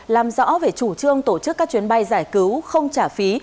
làm rõ về chủ trương tổ chức các chuyến bay giải cứu không trả phí